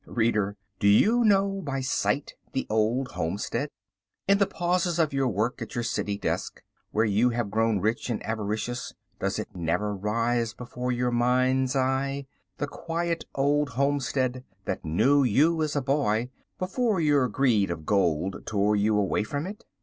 Reader, do you know, by sight, the Old Homestead? In the pauses of your work at your city desk, where you have grown rich and avaricious, does it never rise before your mind's eye, the quiet old homestead that knew you as a boy before your greed of gold tore you away from it?